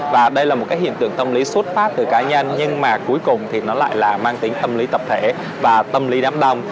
và đây là một cái hiện tượng tâm lý xuất phát từ cá nhân nhưng mà cuối cùng thì nó lại là mang tính tâm lý tập thể và tâm lý đám đông